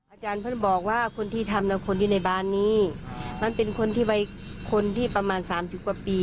อาจารย์เขาบอกว่าคนที่ทำน่ะคนที่ในบ้านนี้มันเป็นคนที่วัยคนที่ประมาณสามสิบกว่าปี